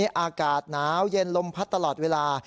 อากาศหนาวเย็นลมพัดตลอดเวลา